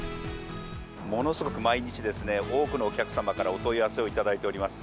ものすごく毎日、多くのお客様からお問い合わせを頂いております。